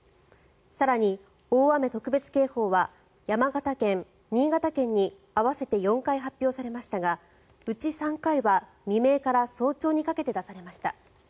更に、大雨特別警報は山形県、新潟県に合わせて４回発表されましたがうち３回は未明から早朝にかけて出されました。